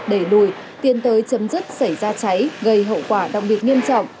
đẩy lùi tiến tới chấm dứt xảy ra cháy gây hậu quả đặc biệt nghiêm trọng